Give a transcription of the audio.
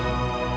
aku akan menunggu